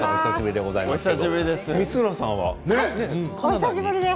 お久しぶりです。